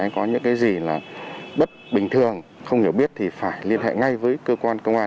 có những cái gì là bất bình thường không hiểu biết thì phải liên hệ ngay với cơ quan công an